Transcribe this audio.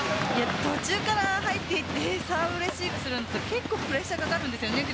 途中から入ってサーブレシーブするのって結構プレッシャーかかるんですよね。